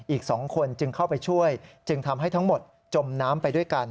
อีก๒คนจึงเข้าไปช่วยจึงทำให้ทั้งหมดจมน้ำไปด้วยกัน